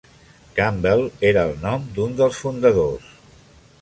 Campbell era el nom d'un dels fundadors.